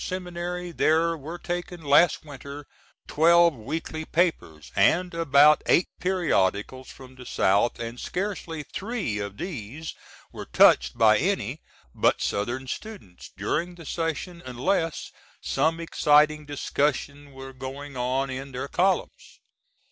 Seminary there were taken, last winter, 12 weekly papers, and about 8 periodicals from the South & scarcely 3 of these were touched by any but Southern Students during the Session, unless some exciting discussion were going on in their columns.